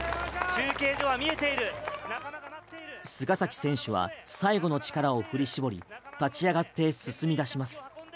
菅崎選手は最後の力を振り絞り立ち上がって進み出します。